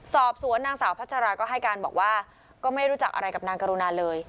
สอบสวนนางสาวพัชราก็ให้การบอกว่าก็ไม่รู้จักอะไรกับนางกรุณาเลย